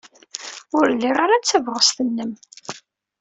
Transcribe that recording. Ur liɣ ara tabɣest-nnem.